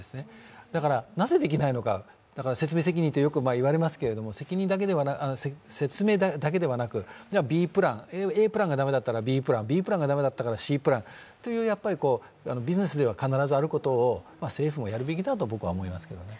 だから、なぜできないのか、説明責任とよく言われますけれども説明だけではなく、ＡプランだダメならＢ、ＢプランだダメならＣプランという、ビジネスでは必ずあることを政府もやるべきだと僕は思います。